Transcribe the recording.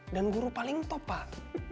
dan guru paling top pak